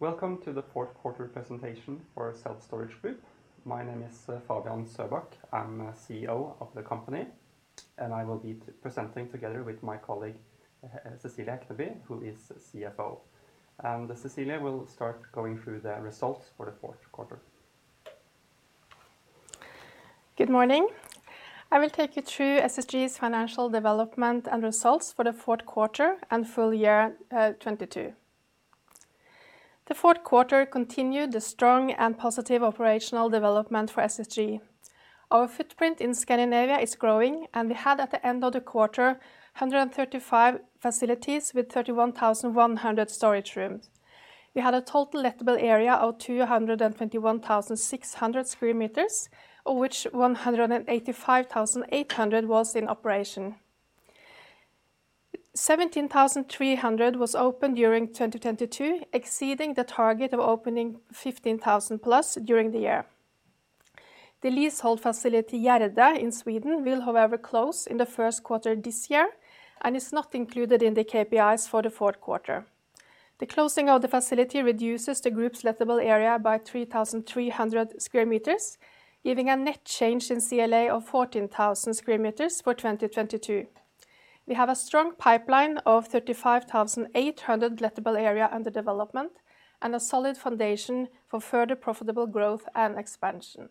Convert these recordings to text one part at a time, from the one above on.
Welcome to the fourth quarter presentation for Self Storage Group. My name is Fabian Søbak. I'm CEO of the company, and I will be presenting together with my colleague, Cecilie Knabi, who is CFO. Cecilie will start going through the results for the fourth quarter. Good morning. I will take you through SSG's financial development and results for the fourth quarter and full year 2022. The fourth quarter continued the strong and positive operational development for SSG. Our footprint in Scandinavia is growing, and we had, at the end of the quarter, 135 facilities with 31,100 storage rooms. We had a total lettable area of 221,600 square meters, of which 185,800 was in operation. 17,300 was opened during 2022, exceeding the target of opening 15,000+ during the year. The leasehold facility, Gärdet, in Sweden will however close in the first quarter this year and is not included in the KPIs for the fourth quarter. The closing of the facility reduces the group's lettable area by 3,300 square meters, giving a net change in CLA of 14,000 square meters for 2022. We have a strong pipeline of 35,800 lettable area under development and a solid foundation for further profitable growth and expansion.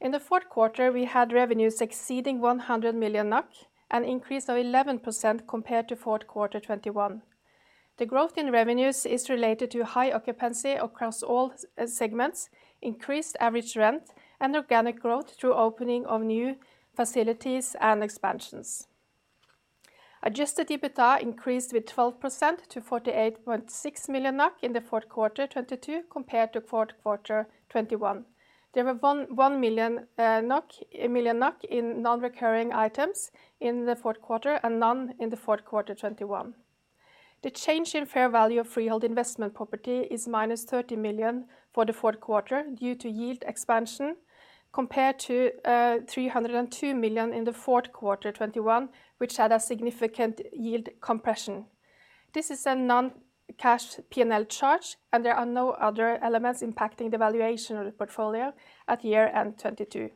In Q4, we had revenues exceeding 100 million NOK, an increase of 11% compared to Q4 2021. The growth in revenues is related to high occupancy across all s-segments, increased average rent, and organic growth through opening of new facilities and expansions. Adjusted EBITDA increased with 12% to 48.6 million in Q4 2022 compared to Q4 2021. There were 1 million NOK in non-recurring items in Q4 and none in Q4 2021. The change in fair value of freehold investment property is minus 30 million for the fourth quarter due to yield expansion compared to 302 million in the fourth quarter '21, which had a significant yield compression. This is a non-cash P&L charge, and there are no other elements impacting the valuation of the portfolio at year end '22.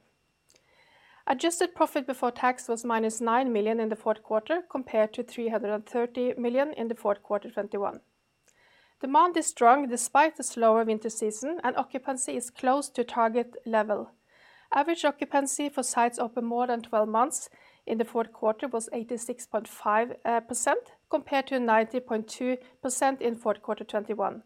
Adjusted profit before tax was minus 9 million in the fourth quarter compared to 330 million in the fourth quarter '21. Demand is strong despite the slower winter season, and occupancy is close to target level. Average occupancy for sites open more than 12 months in the fourth quarter was 86.5% compared to 90.2% in fourth quarter '21.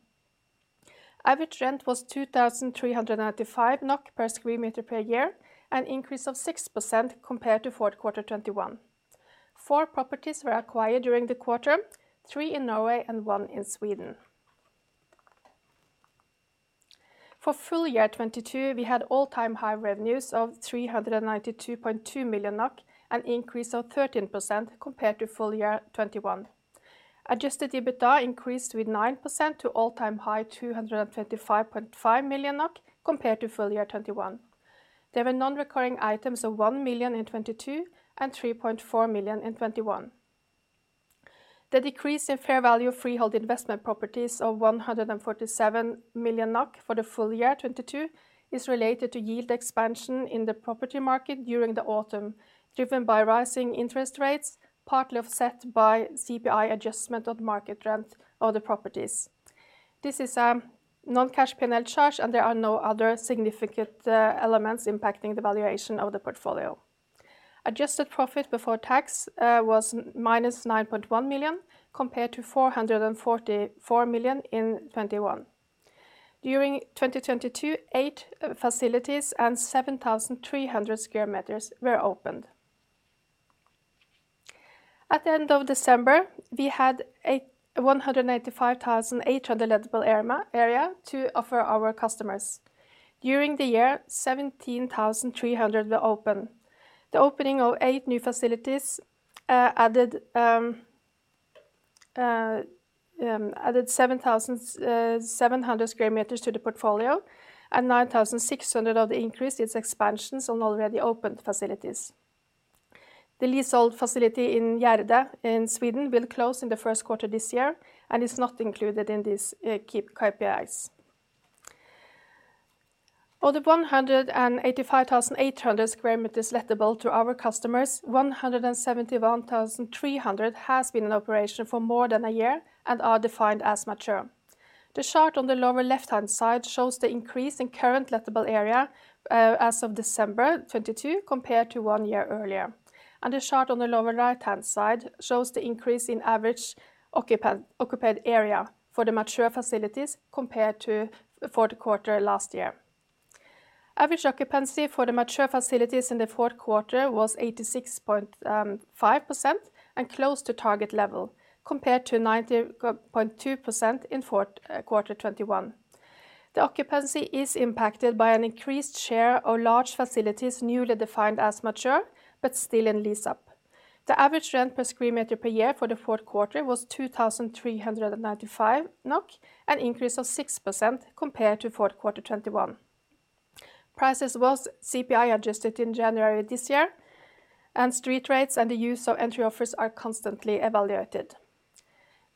Average rent was 2,395 NOK per square meter per year, an increase of 6% compared to fourth quarter 2021. Four properties were acquired during the quarter, three in Norway and one in Sweden. For full year 2022, we had all-time high revenues of 392.2 million NOK, an increase of 13% compared to full year 2021. Adjusted EBITDA increased with 9% to all-time high, 225.5 million NOK compared to full year 2021. There were non-recurring items of 1 million in 2022 and 3.4 million in 2021. The decrease in fair value of freehold investment properties of 147 million for the full year 2022 is related to yield expansion in the property market during the autumn, driven by rising interest rates, partly offset by CPI adjustment of market rent of the properties. This is a non-cash P&L charge, and there are no other significant elements impacting the valuation of the portfolio. Adjusted profit before tax was -9.1 million compared to 444 million in 2021. During 2022, eight facilities and 7,300 square meters were opened. At the end of December, we had 185,800 lettable area to offer our customers. During the year, 17,300 were opened. The opening of 8 new facilities added 7,700 square meters to the portfolio, and 9,600 of the increase is expansions on already opened facilities. The leasehold facility in Gärdet in Sweden will close in the first quarter this year and is not included in these key KPIs. Of the 185,800 square meters lettable to our customers, 171,300 has been in operation for more than a year and are defined as mature. The chart on the lower left-hand side shows the increase in Current Lettable Area as of December '22 compared to one year earlier. The chart on the lower right-hand side shows the increase in average occupied area for the mature facilities compared to the fourth quarter last year. Average occupancy for the mature facilities in Q4 was 86.5% and close to target level compared to 90.2% in Q4 2021. The occupancy is impacted by an increased share of large facilities newly defined as mature but still in lease up. The average rent per square meter per year for Q4 was 2,395 NOK, an increase of 6% compared to Q4 2021. Prices was CPI adjusted in January this year, and street rates and the use of entry-offers are constantly evaluated.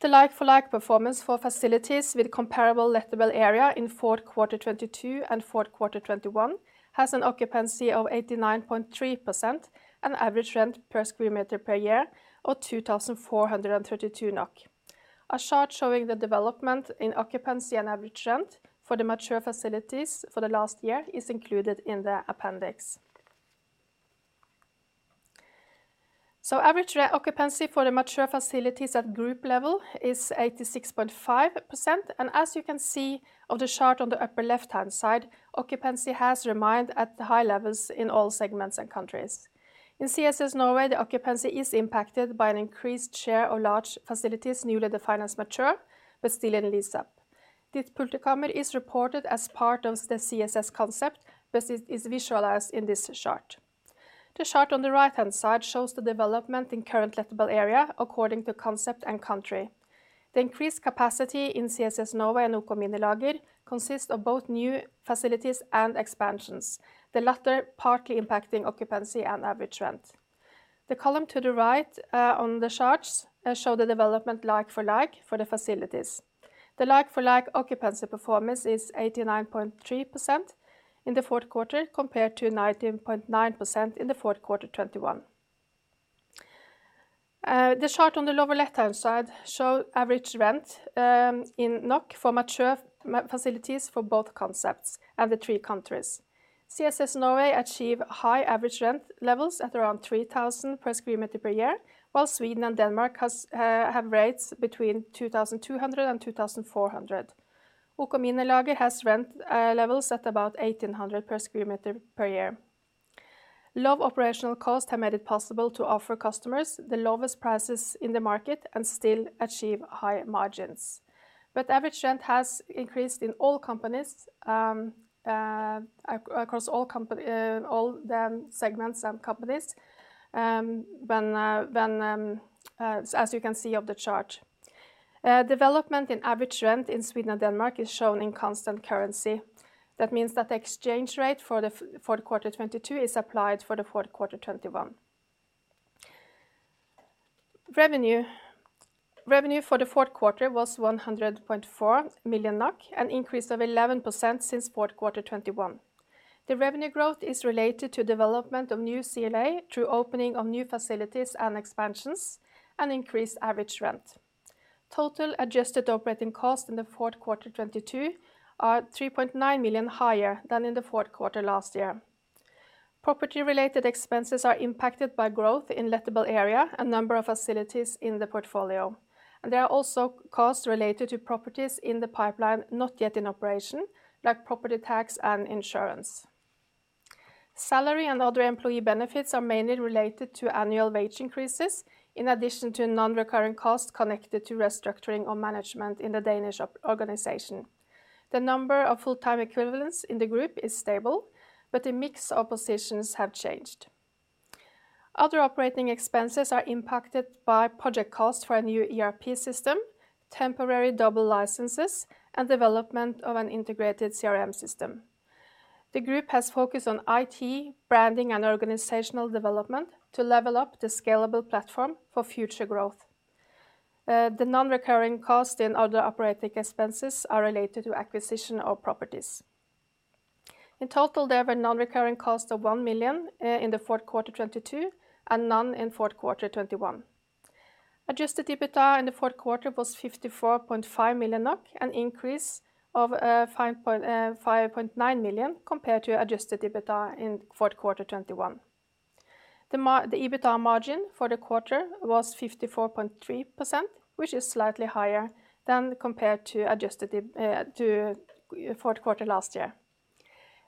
The like-for-like performance for facilities with comparable lettable area in Q4 2022 and Q4 2021 has an occupancy of 89.3% and average rent per square meter per year of 2,432 NOK. A chart showing the development in occupancy and average rent for the mature facilities for the last year is included in the appendix. Average occupancy for the mature facilities at group level is 86.5%. As you can see of the chart on the upper left-hand side, occupancy has remained at the high levels in all segments and countries. In CSS Norway, the occupancy is impacted by an increased share of large facilities newly defined as mature but still in lease up. This multi-chamber is reported as part of the CSS concept, but it is visualized in this chart. The chart on the right-hand side shows the development in Current Lettable Area according to concept and country. The increased capacity in CSS Norway and OK Minilager consists of both new facilities and expansions, the latter partly impacting occupancy and average rent. The column to the right, on the charts, show the development like-for-like for the facilities. The like-for-like occupancy performance is 89.3% in the fourth quarter compared to 19.9% in the fourth quarter 2021. The chart on the lower left-hand side show average rent in NOK for mature facilities for both concepts and the three countries. CSS Norway achieve high average rent levels at around 3,000 per square meter per year, while Sweden and Denmark have rates between 2,200 and 2,400. OK Minilager has rent levels at about 1,800 per square meter per year. Low operational costs have made it possible to offer customers the lowest prices in the market and still achieve high margins. Average rent has increased in all companies across all company, all the segments and companies when, as you can see of the chart. Development in average rent in Sweden and Denmark is shown in constant currency. That means that the exchange rate for the fourth quarter 2022 is applied for the fourth quarter 2021. Revenue. Revenue for the fourth quarter was 100.4 million NOK, an increase of 11% since fourth quarter 2021. The revenue growth is related to development of new CLA through opening of new facilities and expansions and increased average rent. Total adjusted operating costs in the fourth quarter 2022 are 3.9 million higher than in the fourth quarter last year. Property-related expenses are impacted by growth in lettable area and number of facilities in the portfolio. There are also costs related to properties in the pipeline not yet in operation, like property tax and insurance. Salary and other employee benefits are mainly related to annual wage increases in addition to non-recurring costs connected to restructuring of management in the Danish organization. The number of full-time equivalents in the group is stable, the mix of positions have changed. Other operating expenses are impacted by project costs for a new ERP system, temporary double licenses, and development of an integrated CRM system. The group has focused on IT, branding, and organizational development to level up the scalable platform for future growth. The non-recurring cost in other operating expenses are related to acquisition of properties. In total, there were non-recurring costs of 1 million NOK in the fourth quarter 2022 and none in fourth quarter 2021. Adjusted EBITDA in the fourth quarter was 54.5 million NOK, an increase of 5.9 million NOK compared to Adjusted EBITDA in fourth quarter 2021. The EBITDA margin for the quarter was 54.3%, which is slightly higher than compared to fourth quarter last year.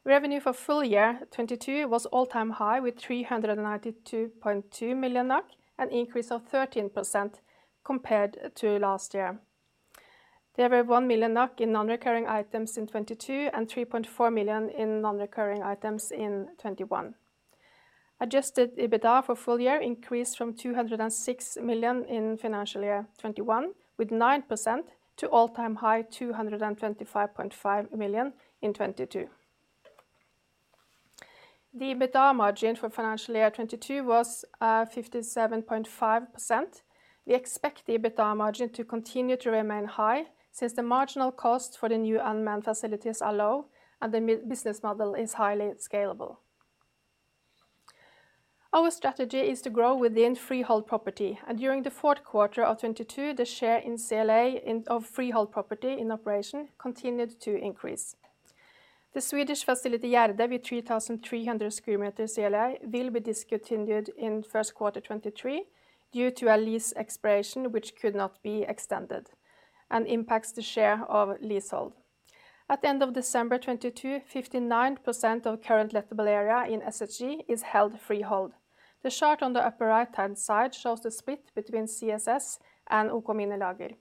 Revenue for full year 2022 was all-time high with 392.2 million NOK, an increase of 13% compared to last year. There were 1 million NOK in non-recurring items in 2022 and 3.4 million NOK in non-recurring items in 2021. Adjusted EBITDA for full year increased from 206 million in financial year 2021 with 9% to all-time high 225.5 million in 2022. The EBITDA margin for financial year 2022 was 57.5%. We expect the EBITDA margin to continue to remain high since the marginal costs for the new unmanned facilities are low and the business model is highly scalable. Our strategy is to grow within freehold property. During the fourth quarter of 2022, the share in CLA of freehold property in operation continued to increase. The Swedish facility, Gärdet, with 3,300 square meters CLA will be discontinued in first quarter 2023 due to a lease expiration which could not be extended and impacts the share of leasehold. At the end of December 2022, 59% of Current Lettable Area in SSG is held freehold. The chart on the upper right-hand side shows the split between CSS and OK Minilager.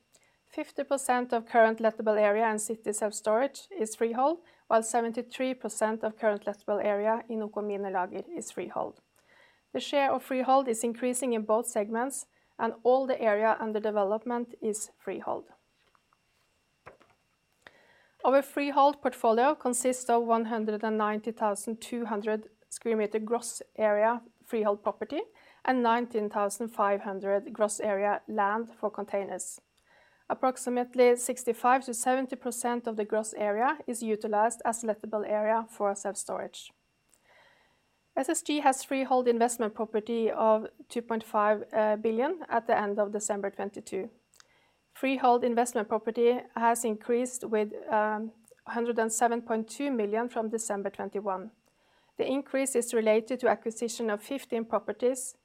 50% of Current Lettable Area in City Self-Storage is freehold, while 73% of Current Lettable Area in OK Minilager is freehold. The share of freehold is increasing in both segments, and all the area under development is freehold. Our freehold portfolio consists of 190,200 sq m gross area freehold property and 19,500 sq m gross area land for containers. Approximately 65%-70% of the gross area is utilized as lettable area for self-storage. SSG has freehold investment property of 2.5 billion at the end of December 2022. Freehold investment property has increased with 107.2 million from December 2021. The increase is related to acquisition of 15 properties,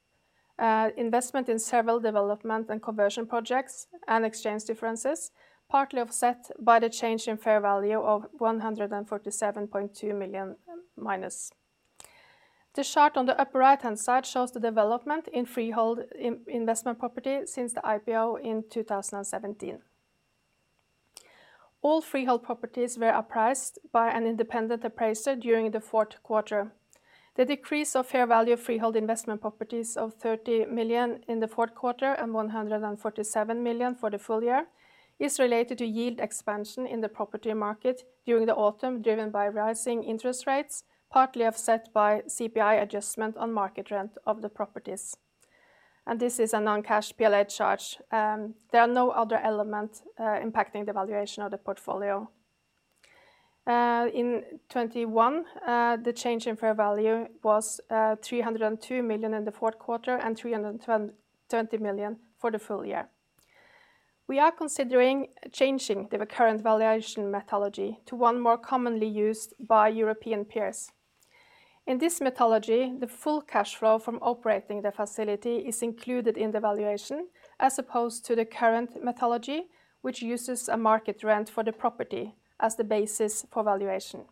investment in several development and conversion projects, and exchange differences, partly offset by the change in fair value of 147.2 million minus. The chart on the upper right-hand side shows the development in freehold investment property since the IPO in 2017. All freehold properties were appraised by an independent appraiser during the fourth quarter. The decrease of fair value of freehold investment properties of 30 million in the fourth quarter and 147 million for the full year is related to yield expansion in the property market during the autumn, driven by rising interest rates, partly offset by CPI adjustment on market rent of the properties. This is a non-cash P&L charge. There are no other element impacting the valuation of the portfolio. In 2021, the change in fair value was 302 million in the fourth quarter and 320 million for the full year. We are considering changing the current valuation methodology to one more commonly used by European peers. In this methodology, the full cash flow from operating the facility is included in the valuation, as opposed to the current methodology, which uses a market rent for the property as the basis for valuation.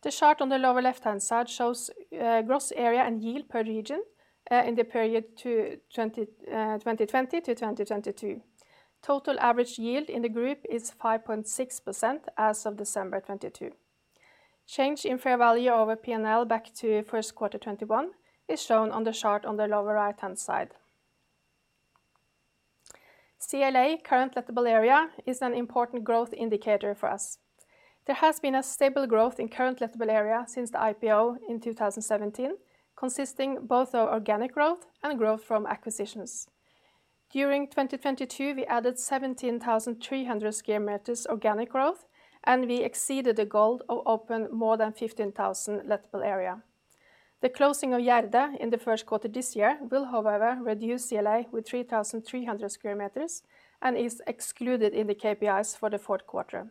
The chart on the lower left-hand side shows gross area and yield per region in the period 2020 to 2022. Total average yield in the group is 5.6% as of December 2022. Change in fair value over PNL back to first quarter 2021 is shown on the chart on the lower right-hand side. CLA, Current Lettable Area, is an important growth indicator for us. There has been a stable growth in current lettable area since the IPO in 2017, consisting both of organic growth and growth from acquisitions. During 2022, we added 17,300 square meters organic growth, and we exceeded the goal of open more than 15,000 lettable area. The closing of Gärdet in the first quarter this year will, however, reduce CLA with 3,300 square meters and is excluded in the KPIs for the fourth quarter.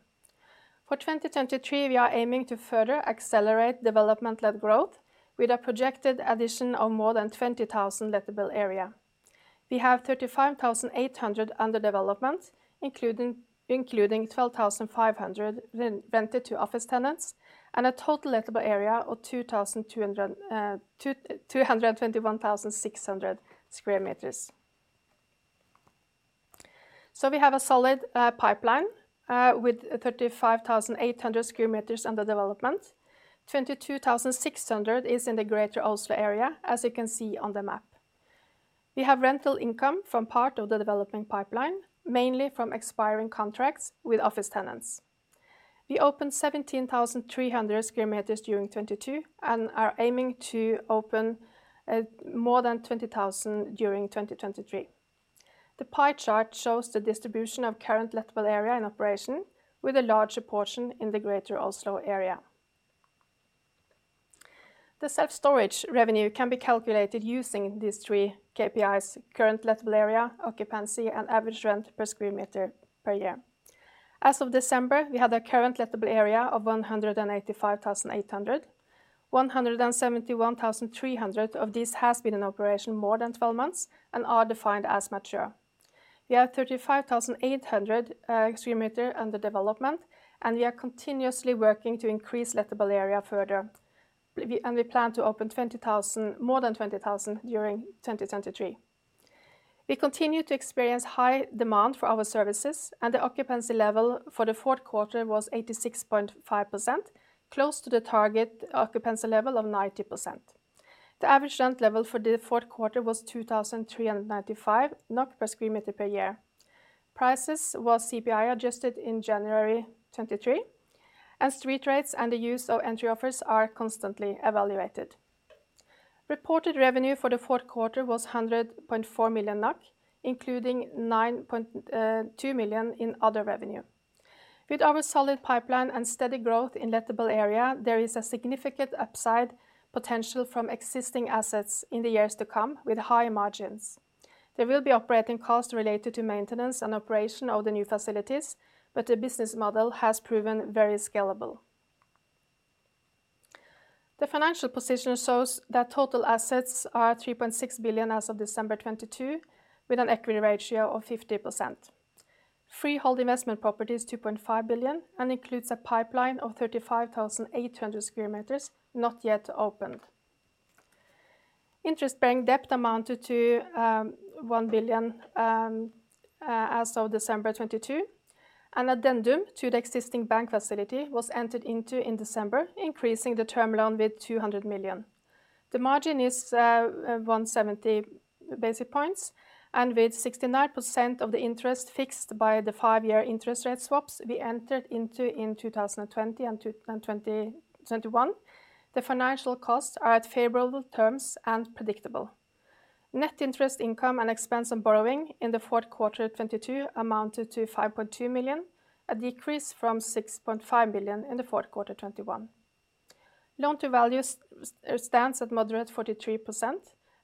For 2023, we are aiming to further accelerate development-led growth with a projected addition of more than 20,000 lettable area. We have 35,800 under development, including 12,500 rented to office tenants, and a total lettable area of 2,200. 221,600 square meters. We have a solid pipeline with 35,800 square meters under development. 22,600 is in the Greater Oslo area, as you can see on the map. We have rental income from part of the development pipeline, mainly from expiring contracts with office tenants. We opened 17,300 square meters during 2022 and are aiming to open more than 20,000 during 2023. The pie chart shows the distribution of Current Lettable Area in operation with a larger portion in the Greater Oslo area. The self-storage revenue can be calculated using these three KPIs, Current Lettable Area, occupancy, and average rent per square meter per year. As of December, we have a Current Lettable Area of 185,800. 171,300 of these has been in operation more than 12 months and are defined as mature. We have 35,800 square meter under development, and we are continuously working to increase lettable area further. We plan to open 20,000, more than 20,000 during 2023. We continue to experience high demand for our services, and the occupancy level for the fourth quarter was 86.5%, close to the target occupancy level of 90%. The average rent level for the fourth quarter was 2,395 NOK per square meter per year. Prices was CPI-adjusted in January 2023. Street rates and the use of entry-offers are constantly evaluated. Reported revenue for the fourth quarter was 100.4 million, including 9.2 million in other revenue. With our solid pipeline and steady growth in lettable area, there is a significant upside potential from existing assets in the years to come with high margins. There will be operating costs related to maintenance and operation of the new facilities, but the business model has proven very scalable. The financial position shows that total assets are 3.6 billion as of December 2022, with an equity ratio of 50%. Freehold investment property is 2.5 billion and includes a pipeline of 35,800 square meters not yet opened. Interest-bearing debt amounted to 1 billion as of December 2022. An addendum to the existing bank facility was entered into in December, increasing the term loan with 200 million. The margin is 170 basis points, and with 69% of the interest fixed by the 5-year interest rate swaps we entered into in 2022 and 2021, the financial costs are at favorable terms and predictable. Net interest income and expense on borrowing in the fourth quarter 2022 amounted to 5.2 million, a decrease from 6.5 million in the fourth quarter 2021. Loan-to-value stands at moderate 43%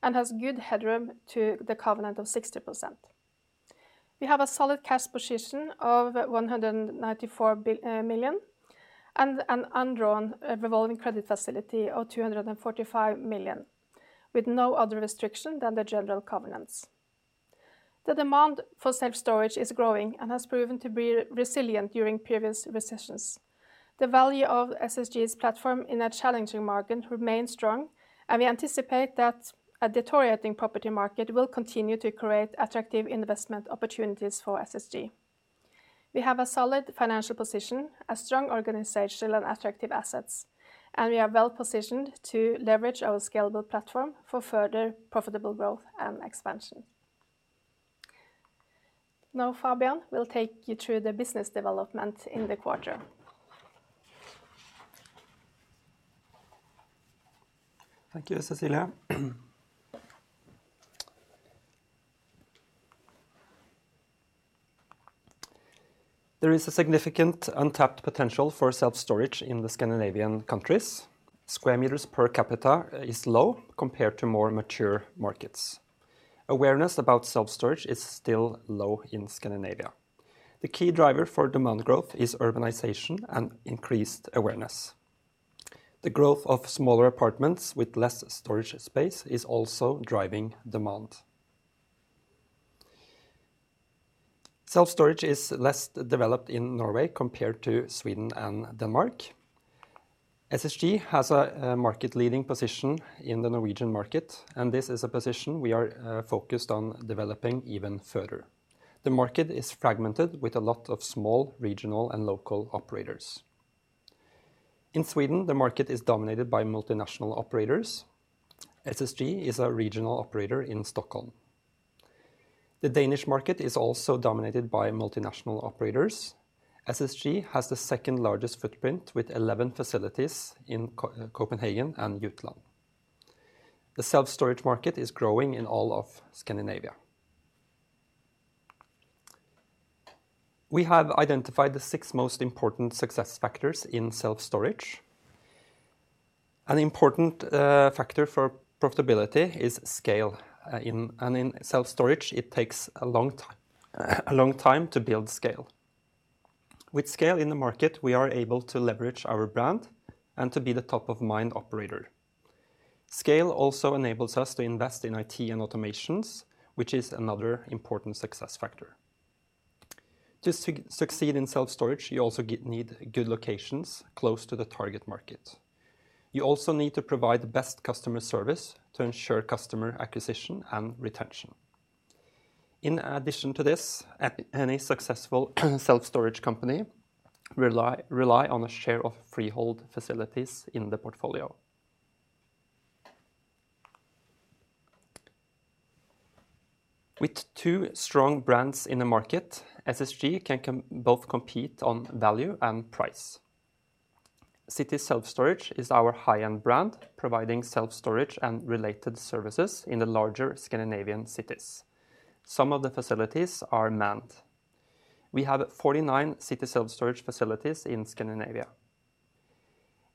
and has good headroom to the covenant of 60%. We have a solid cash position of 194 million and an undrawn revolving credit facility of 245 million, with no other restriction than the general covenants. The demand for self-storage is growing and has proven to be re-resilient during previous recessions. The value of SSG's platform in a challenging market remains strong, and we anticipate that a deteriorating property market will continue to create attractive investment opportunities for SSG. We have a solid financial position, a strong organizational and attractive assets, and we are well-positioned to leverage our scalable platform for further profitable growth and expansion. Fabian will take you through the business development in the quarter. Thank you, Cecilie. There is a significant untapped potential for self-storage in the Scandinavian countries. Square meters per capita is low compared to more mature markets. Awareness about self-storage is still low in Scandinavia. The key driver for demand growth is urbanization and increased awareness. The growth of smaller apartments with less storage space is also driving demand. Self-storage is less developed in Norway compared to Sweden and Denmark. SSG has a market-leading position in the Norwegian market, and this is a position we are focused on developing even further. The market is fragmented with a lot of small regional and local operators. In Sweden, the market is dominated by multinational operators. SSG is a regional operator in Stockholm. The Danish market is also dominated by multinational operators. SSG has the second largest footprint with 11 facilities in Copenhagen and Jutland. The self-storage market is growing in all of Scandinavia. We have identified the six most important success factors in self-storage. An important factor for profitability is scale. In, and in self-storage, it takes a long time to build scale. With scale in the market, we are able to leverage our brand and to be the top-of-mind operator. Scale also enables us to invest in IT and automations, which is another important success factor. To succeed in self-storage, you also need good locations close to the target market. You also need to provide the best customer service to ensure customer acquisition and retention. In addition to this, any successful self-storage company rely on a share of freehold facilities in the portfolio. With two strong brands in the market, SSG can both compete on value and price. City Self-Storage is our high-end brand providing self-storage and related services in the larger Scandinavian cities. Some of the facilities are manned. We have 49 City Self-Storage facilities in Scandinavia.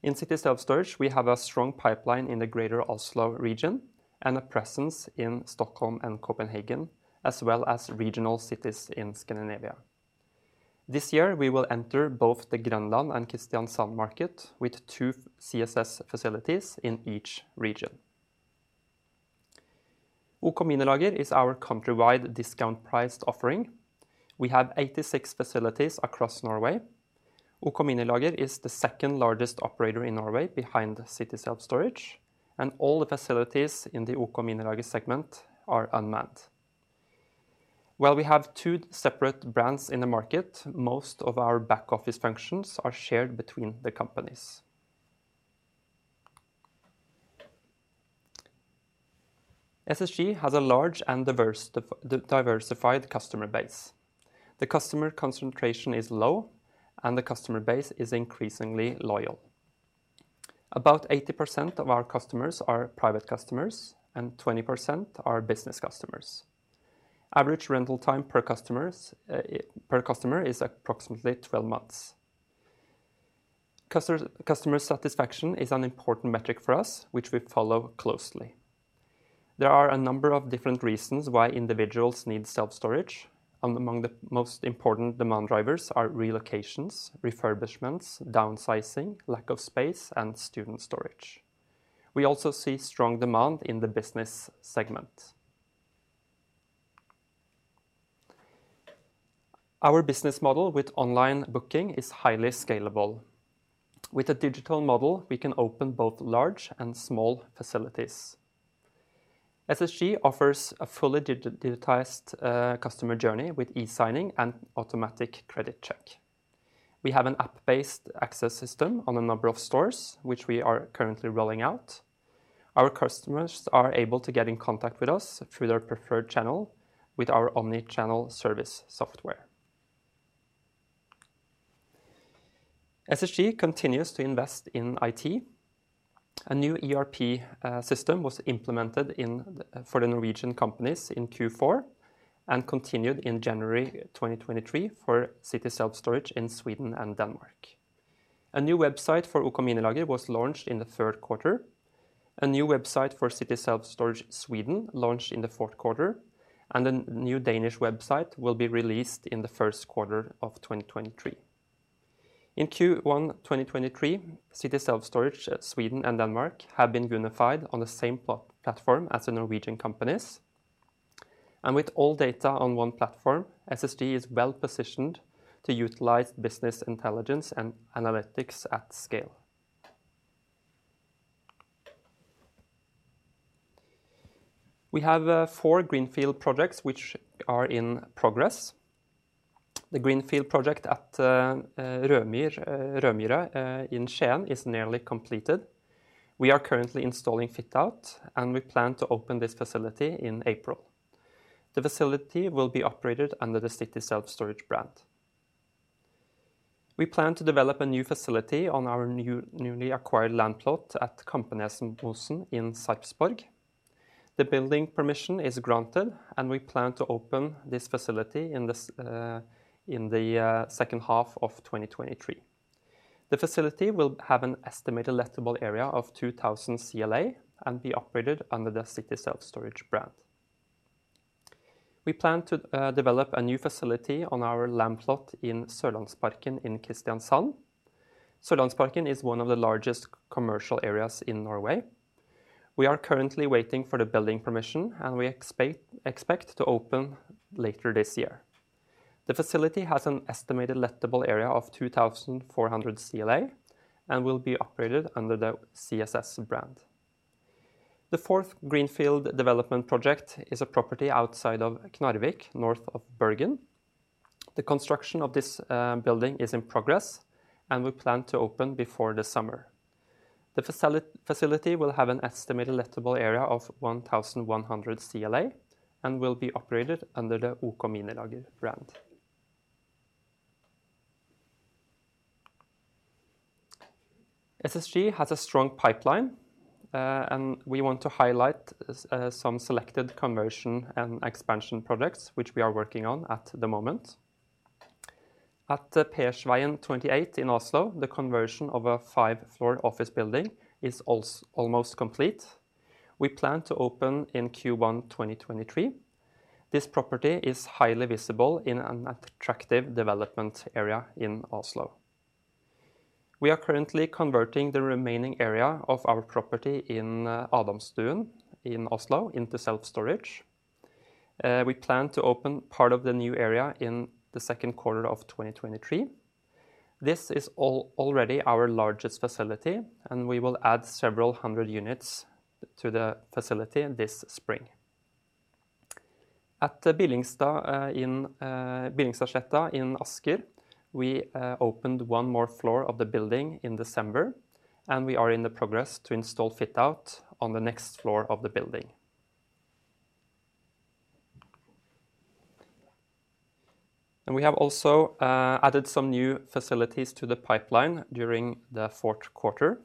In City Self-Storage, we have a strong pipeline in the greater Oslo region and a presence in Stockholm and Copenhagen, as well as regional cities in Scandinavia. This year, we will enter both the Grønland and Kristiansand market with two CSS facilities in each region. OK Minilager is our countrywide discount priced offering. We have 86 facilities across Norway. OK Minilager is the second largest operator in Norway behind City Self-Storage, and all the facilities in the OK Minilager segment are unmanned. While we have two separate brands in the market, most of our back office functions are shared between the companies. SSG has a large and diversified customer base. The customer concentration is low, and the customer base is increasingly loyal. About 80% of our customers are private customers, and 20% are business customers. Average rental time per customer is approximately 12 months. Customer satisfaction is an important metric for us, which we follow closely. There are a number of different reasons why individuals need self-storage. Among the most important demand drivers are relocations, refurbishments, downsizing, lack of space, and student storage. We also see strong demand in the business segment. Our business model with online booking is highly scalable. With a digital model, we can open both large and small facilities. SSG offers a fully digitized customer journey with e-signing and automatic credit check. We have an app-based access system on a number of stores, which we are currently rolling out. Our customers are able to get in contact with us through their preferred channel with our omni-channel service software. SSG continues to invest in IT. A new ERP system was implemented for the Norwegian companies in Q4 and continued in January 2023 for City Self-Storage in Sweden and Denmark. A new website for OK Minilager was launched in the third quarter. A new website for City Self-Storage Sweden launched in the fourth quarter. A new Danish website will be released in the first quarter of 2023. In Q1 2023, City Self-Storage Sweden and Denmark have been unified on the same platform as the Norwegian companies. With all data on one platform, SSG is well positioned to utilize business intelligence and analytics at scale. We have four greenfield projects which are in progress. The greenfield project at Rødmyr in Skien is nearly completed. We are currently installing fit-out, and we plan to open this facility in April. The facility will be operated under the City Self-Storage brand. We plan to develop a new facility on our newly acquired land plot at Kampenesmåsan in Sarpsborg. The building permission is granted, and we plan to open this facility in the second half of 2023. The facility will have an estimated lettable area of 2,000 CLA and be operated under the City Self-Storage brand. We plan to develop a new facility on our land plot in Sørlandsparken in Kristiansand. Sørlandsparken is one of the largest commercial areas in Norway. We are currently waiting for the building permission, and we expect to open later this year. The facility has an estimated lettable area of 2,400 CLA and will be operated under the CSS brand. The 4th greenfield development project is a property outside of Knarvik, north of Bergen. The construction of this building is in progress, and we plan to open before the summer. The facility will have an estimated lettable area of 1,100 CLA and will be operated under the OK Minilager brand. SSG has a strong pipeline, and we want to highlight some selected conversion and expansion products which we are working on at the moment. At Persveien 28 in Oslo, the conversion of a 5-floor office building is almost complete. We plan to open in Q1 2023. This property is highly visible in an attractive development area in Oslo. We are currently converting the remaining area of our property in Adamstuen in Oslo into self-storage. We plan to open part of the new area in the 2nd quarter of 2023. This is already our largest facility, and we will add several hundred units to the facility this spring. At Billingstad, in Billingstadsletta in Asker, we opened 1 more floor of the building in December, and we are in the progress to install fit-out on the next floor of the building. We have also added some new facilities to the pipeline during the 4th quarter.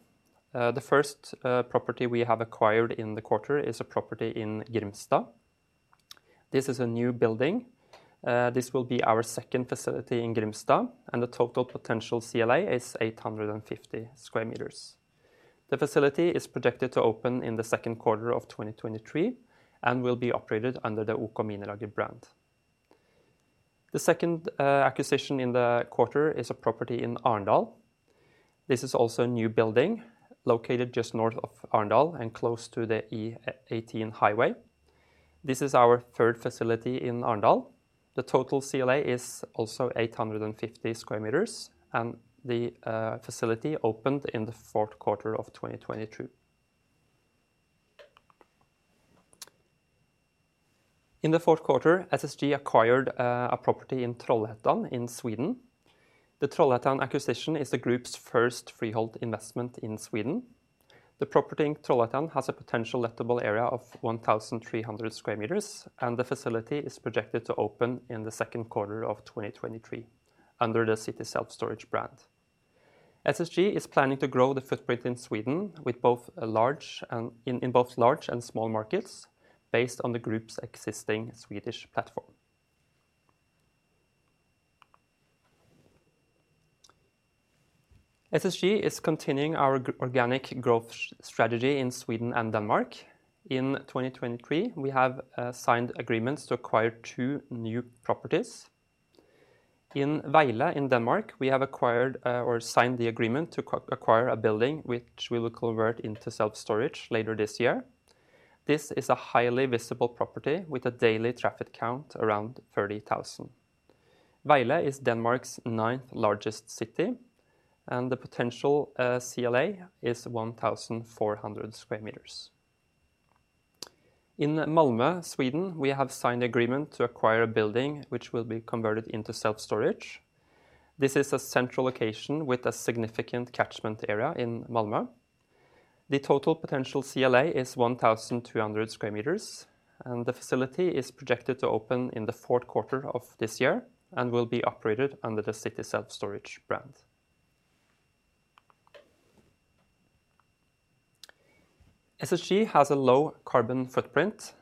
The first property we have acquired in the quarter is a property in Grimstad. This is a new building. This will be our 2nd facility in Grimstad, and the total potential CLA is 850 square meters. The facility is projected to open in the 2nd quarter of 2023 and will be operated under the OK Minilager brand. The second acquisition in the quarter is a property in Arendal. This is also a new building located just north of Arendal and close to the E18 highway. This is our third facility in Arendal. The total CLA is also 850 square meters, and the facility opened in the fourth quarter of 2022. In the fourth quarter, SSG acquired a property in Trollhättan in Sweden. The Trollhättan acquisition is the group's first freehold investment in Sweden. The property in Trollhättan has a potential lettable area of 1,300 square meters, and the facility is projected to open in the second quarter of 2023 under the City Self-Storage brand. SSG is planning to grow the footprint in Sweden with both large and small markets based on the group's existing Swedish platform. SSG is continuing our organic growth strategy in Sweden and Denmark. In 2023, we have signed agreements to acquire 2 new properties. In Vejle in Denmark, we have acquired or signed the agreement to acquire a building which we will convert into self-storage later this year. This is a highly visible property with a daily traffic count around 30,000. Vejle is Denmark's 9th-largest city, and the potential CLA is 1,400 square meters. In Malmö, Sweden, we have signed agreement to acquire a building which will be converted into self-storage. This is a central location with a significant catchment area in Malmö. The total potential CLA is 1,200 square meters, and the facility is projected to open in the 4th quarter of this year and will be operated under the City Self-Storage brand. SSG has a low carbon footprint.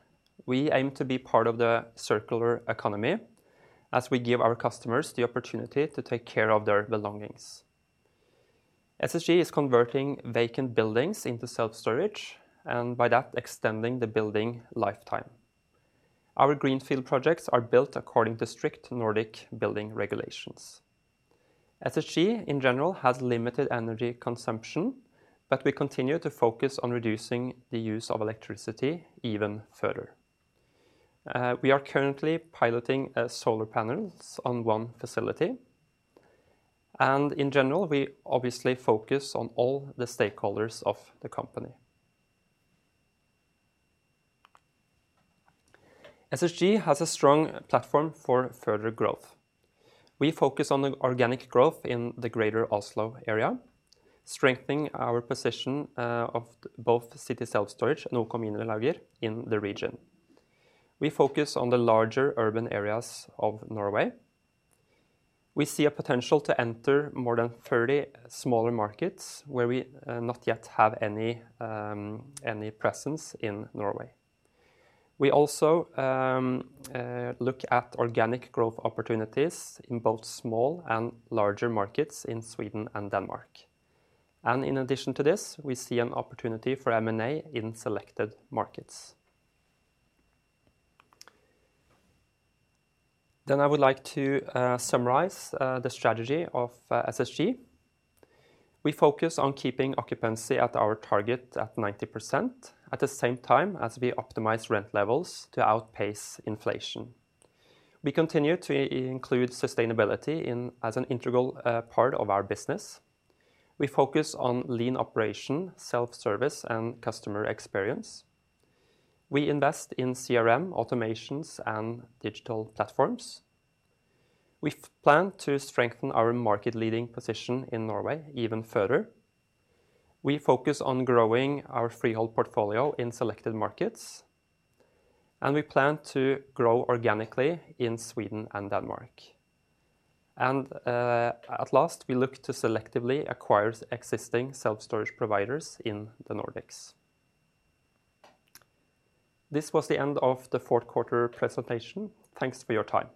We aim to be part of the circular economy as we give our customers the opportunity to take care of their belongings. SSG is converting vacant buildings into self-storage and by that, extending the building lifetime. Our greenfield projects are built according to strict Nordic building regulations. SSG, in general, has limited energy consumption, but we continue to focus on reducing the use of electricity even further. We are currently piloting solar panels on one facility. In general, we obviously focus on all the stakeholders of the company. SSG has a strong platform for further growth. We focus on the organic growth in the greater Oslo area, strengthening our position of both City Self-Storage and OK Minilager in the region. We focus on the larger urban areas of Norway. We see a potential to enter more than 30 smaller markets where we not yet have any presence in Norway. We also look at organic growth opportunities in both small and larger markets in Sweden and Denmark. In addition to this, we see an opportunity for M&A in selected markets. I would like to summarize the strategy of SSG. We focus on keeping occupancy at our target at 90%, at the same time as we optimize rent levels to outpace inflation. We continue to include sustainability as an integral part of our business. We focus on lean operation, self-service, and customer experience. We invest in CRM, automations, and digital platforms. We've planned to strengthen our market-leading position in Norway even further. We focus on growing our freehold portfolio in selected markets. We plan to grow organically in Sweden and Denmark. At last, we look to selectively acquire existing self-storage providers in the Nordics. This was the end of the fourth quarter presentation. Thanks for your time.